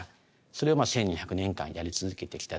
それを１２００年間やり続けて来た。